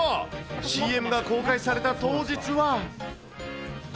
ＣＭが公開された当日は。